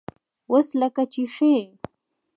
_اوس لکه چې ښه يې؟